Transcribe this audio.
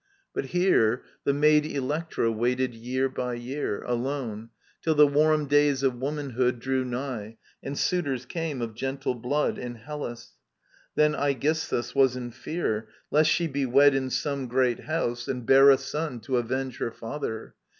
But here The maid Electra waited, year by year. Alone, till the warm days of womanhood Drew nigh and suitors came of gentle blood In Hellas. Then Aegisthus was in fear Lest she be wed in some great house, and bear A son to avenge her father.